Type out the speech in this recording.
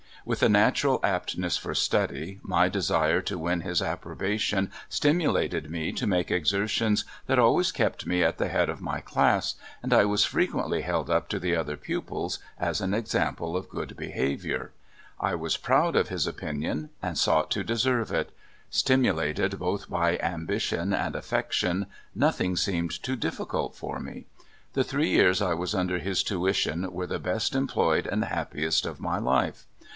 With a natural aptness for study, my desire to win his approbation stimulated me to make exertions that always kept me at the head of my class, and I was frequently held up to the other pujoils as an example of good behavior. I was proud of his good opinion, and sought to deserve it. Stimulated both by ambition and affection, nothing seemed too difficult for me. The three years I was under his tuition were the best em ployed and happiest of my life.